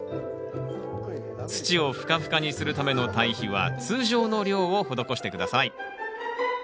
土をふかふかにするための堆肥は通常の量を施して下さい。